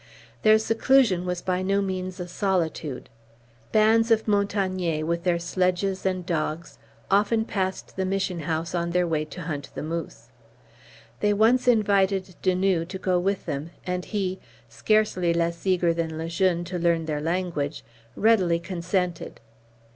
Their seclusion was by no means a solitude. Bands of Montagnais, with their sledges and dogs, often passed the mission house on their way to hunt the moose. They once invited De Nouë to go with them; and he, scarcely less eager than Le Jeune to learn their language, readily consented.